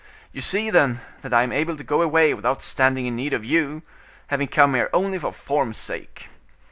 You see, then, that I am able to go away without standing in need of you, having come here only for form's sake."